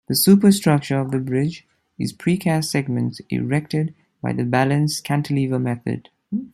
The superstructure of the bridge is pre-cast segments erected by the balanced cantilever method.